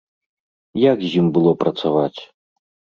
Як з ім было працаваць?